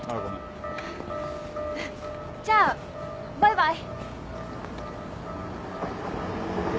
じゃあバイバイ。